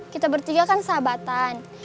kita bertiga kan sahabatan